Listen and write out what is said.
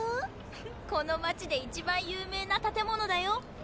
この町で一番有名な建物だよ。